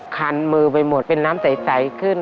คันมือไปหมดเป็นน้ำใสขึ้น